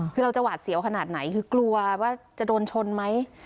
คือเราจะหวาดเสียวขนาดไหนคือกลัวว่าจะโดนชนไหม